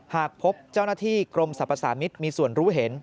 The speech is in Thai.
หากพบเจ้าหน้าที่กรมสรรพสามิตรมีส่วนรู้เห็น